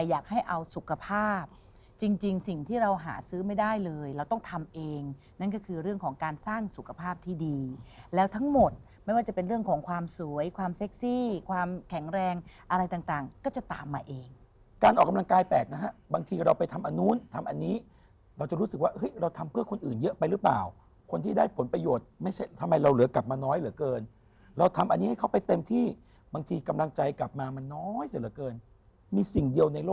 เอาสุขภาพจริงสิ่งที่เราหาซื้อไม่ได้เลยเราต้องทำเองนั่นก็คือเรื่องของการสร้างสุขภาพที่ดีแล้วทั้งหมดไม่ว่าจะเป็นเรื่องของความสวยความเซ็กซี่ความแข็งแรงอะไรต่างก็จะตามมาเองการออกกำลังกายแปลกนะฮะบางทีเราไปทำอันนู้นทำอันนี้เราจะรู้สึกว่าเราทำเพื่อคนอื่นเยอะไปหรือเปล่าคนที่ได้ผลประโยชน์ไม่ใช่ทำไมเราเหลือกล